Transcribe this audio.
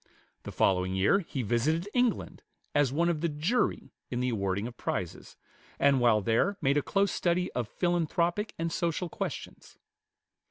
The following year he visited England as one of the "jury" in the awarding of prizes; and while there made a close study of philanthropic and social questions.